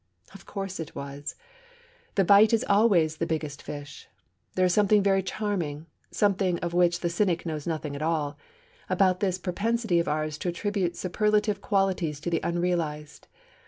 Of course it was! The bite is always the biggest fish. There is something very charming something of which the cynic knows nothing at all about this propensity of ours to attribute superlative qualities to the unrealized.